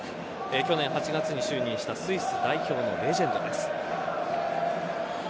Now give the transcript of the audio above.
去年８月に就任したスイス代表のレジェンドです。